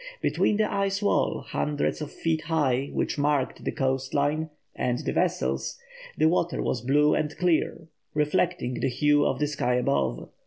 Between the ice wall, hundreds of feet high, which marked the coast line, and the vessels, the water was blue and clear, reflecting the hue of the sky above.